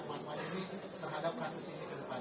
terhadap kasus ini ke depannya